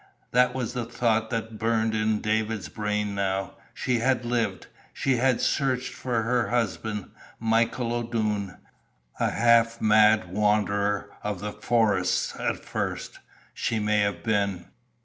_ That was the thought that burned in David's brain now. She had lived. She had searched for her husband Michael O'Doone; a half mad wanderer of the forests at first, she may have been.